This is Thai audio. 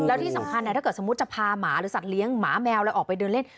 แล้วที่สำคัญถ้าเกิดสมมุติจะพาหมาหรือสัตว์เลี้ยงหมาแมวอะไรออกไปเดินเล่น